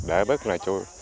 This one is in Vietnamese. để bất là